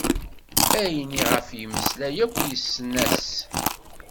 Ayen i ɣef yemmeslay akk, yessen-as.